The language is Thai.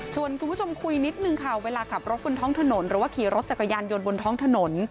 คุณผู้ชมคุยนิดนึงค่ะเวลาขับรถบนท้องถนนหรือว่าขี่รถจักรยานยนต์บนท้องถนน